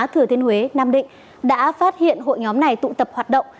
thừa thiên huế nam định đã phát hiện hội nhóm này tụ tập hoạt động